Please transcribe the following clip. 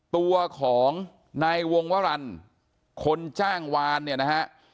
ตัวของนายวงวรรณคนจ้างวานเนี่ยนะฮะ